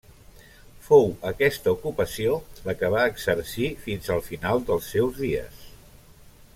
Fou aquesta ocupació la que va exercir fins al final dels seus dies.